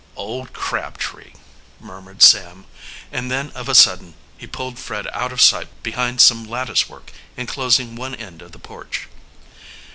"Old Crabtree!" murmured Sam, and then of a sudden he pulled Fred out of sight behind some lattice work inclosing one end of the porch.